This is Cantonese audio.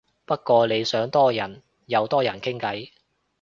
不過你想多人又多人傾偈